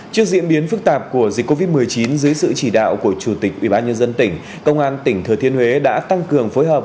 trước diễn biến phức tạp của dịch covid một mươi chín dưới sự chỉ đạo của chủ tịch ubnd tỉnh công an tỉnh thừa thiên huế đã tăng cường phối hợp